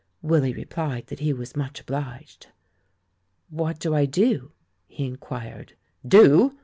Willy replied that he was much obliged. "What do I do?" he inquired. "Do?